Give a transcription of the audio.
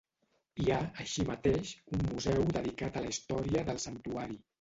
Hi ha, així mateix, un museu dedicat a la història del santuari.